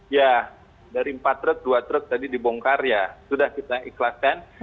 ya dari empat truk dua truk tadi dibongkar ya sudah kita ikhlaskan